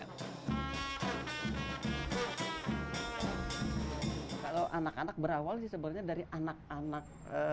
kalau anak anak berawal sih sebenarnya dari anak anak